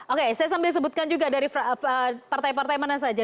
oke saya sambil sebutkan juga dari partai partai mana saja